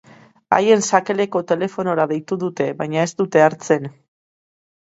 Haien sakeleko telefonora deitu dute baina ez dute hartzen.